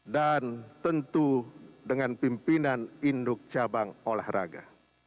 dan tentu dengan pimpinan induk cabang olahraga